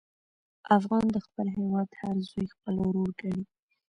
افغان د خپل هېواد هر زوی خپل ورور ګڼي.